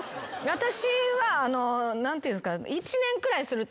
私は何ていうんですか。